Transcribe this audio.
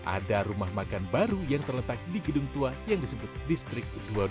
ada rumah makan baru yang terletak di gedung tua yang disebut distrik dua puluh dua